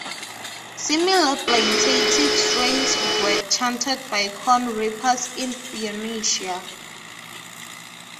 Similar plaintive strains were chanted by corn-reapers in Phoenicia.